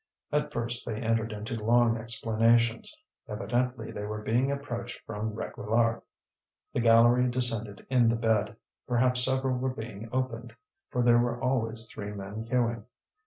At first they entered into long explanations; evidently they were being approached from Réquillart. The gallery descended in the bed; perhaps several were being opened, for there were always three men hewing.